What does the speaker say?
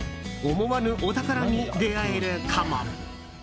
思わぬお宝に出会えるかも？